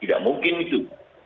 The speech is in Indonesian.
tidak mungkin itu